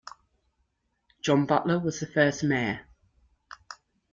John Butler was the first mayor.